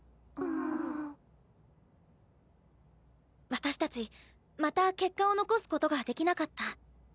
私たちまた結果を残すことができなかった。